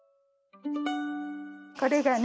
これがね